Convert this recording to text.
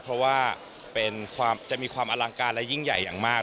เพราะว่าจะมีความอลังการและยิ่งใหญ่อย่างมาก